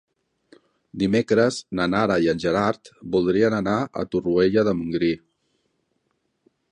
Dimecres na Nara i en Gerard voldrien anar a Torroella de Montgrí.